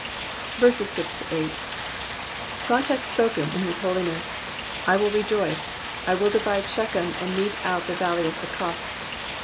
6 God hath spoken in his holiness ; I will rejoice, I will divide Shechein, and mete out the valley of Succoth.